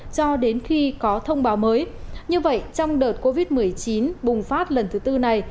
cho đến khi có thông báo mới như vậy trong đợt covid một mươi chín bùng phát lần thứ tư này